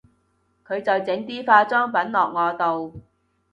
佢就整啲化妝品落我度